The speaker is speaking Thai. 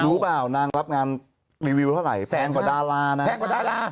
รู้เปล่านางรับงานรีวิวเท่าไหร่แพงกว่าดารานะ